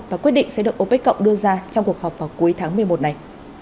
và quyết định sẽ được opec cộng đưa ra trong cuộc họp vào cuối tháng một mươi một này